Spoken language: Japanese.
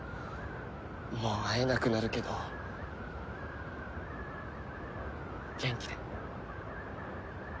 もう会えなくなるけど元気で。